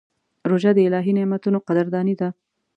روژه د الهي نعمتونو قدرداني ده.